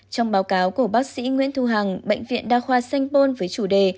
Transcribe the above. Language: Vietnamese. trong báo cáo của bác sĩ nguyễn thu hằng bệnh viện đa khoa sanh pôn với chủ đề